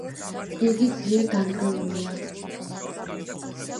იგი ძლიერ დანგრეულია.